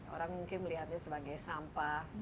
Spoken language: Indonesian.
orang mungkin melihatnya sebagai sampah